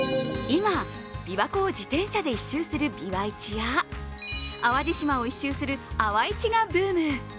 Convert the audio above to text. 今、琵琶湖を自転車で一周するビワイチや淡路島を一周するアワイチがブーム。